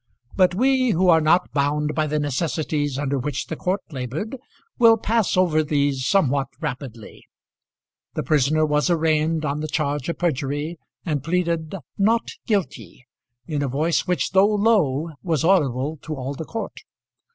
But we, who are not bound by the necessities under which the court laboured, will pass over these somewhat rapidly. The prisoner was arraigned on the charge of perjury, and pleaded "not guilty" in a voice which, though low, was audible to all the court.